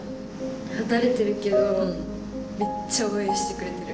離れてるけどめっちゃ応援してくれてる。